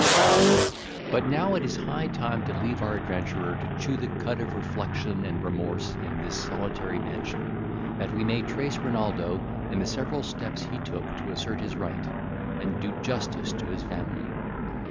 But now it is high time to leave our adventurer to chew the cud of reflection and remorse in this solitary mansion, that we may trace Renaldo in the several steps he took to assert his right, and do justice to his family.